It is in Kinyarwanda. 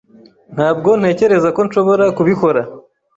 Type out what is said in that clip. Ntabwo ntekereza ko nshobora kubikora.